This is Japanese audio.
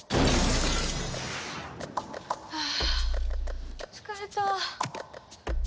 はあ疲れた。